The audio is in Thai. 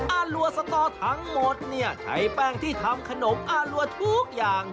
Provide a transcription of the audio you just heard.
อารัวสตอทั้งหมดเนี่ยใช้แป้งที่ทำขนมอารัวทุกอย่าง